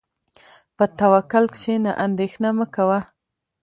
په توکل کښېنه، اندېښنه مه کوه.